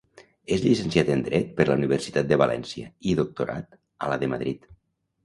És llicenciat en dret per la Universitat de València i doctorat a la de Madrid.